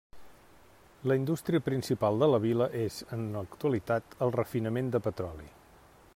La indústria principal de la vila és, en l'actualitat, el refinament de petroli.